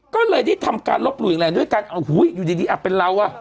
ก็เลยที่ทำการลบหลู่อย่างไรด้วยการอุ้ยอยู่ดีอ่ะเป็นเราอ่ะ